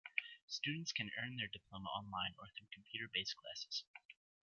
Students can earn their diploma online or through computer-based classes.